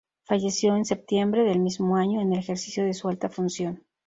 Falleció en septiembre del mismo año, en el ejercicio de su alta función.